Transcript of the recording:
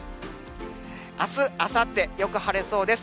あす、あさって、よく晴れそうです。